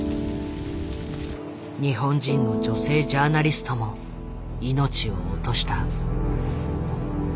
日本人の女性ジャーナリストも命を落とした。